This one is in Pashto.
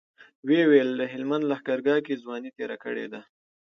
ويې ويل د هلمند لښکرګاه کې ځواني تېره کړې ده.